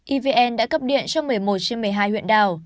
evn đã cấp điện cho một mươi một trên một mươi hai huyện đảo